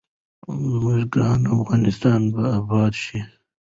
زموږ ګران افغانستان به اباد شي.